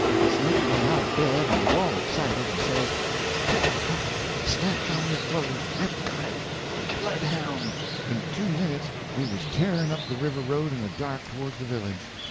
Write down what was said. He snaked me out of bed and was all excited, and says: "Quick, Huck, snatch on your clothes—I've got it! Bloodhound!" In two minutes we was tearing up the river road in the dark towards the village.